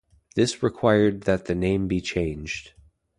This required that the name be changed.